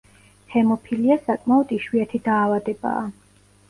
ჰემოფილია საკმაოდ იშვიათი დაავადებაა.